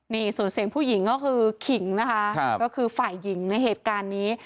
นี่ส่วนเสียงผู้หญิงก็คือขิงนะคะก็คือฝ่ายหญิงในเหตุการณ์นี้